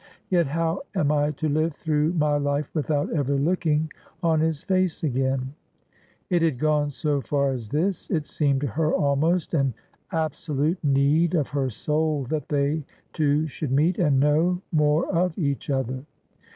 Yet how am I to live through my life without ever looking on his face again !' It had gone so far as this : it seemed to her almost an abso lute need of her soul that they two should meet, and know more of each other.